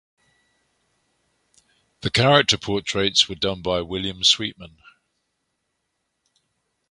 The character portraits were done by William Sweetman.